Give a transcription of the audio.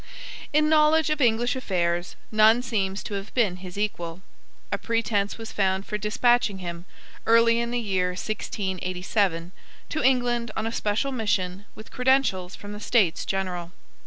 In knowledge of English affairs none seems to have been his equal. A pretence was found for despatching him, early in the year 1687, to England on a special mission with credentials from the States General.